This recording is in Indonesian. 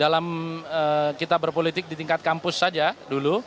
dalam kita berpolitik di tingkat kampus saja dulu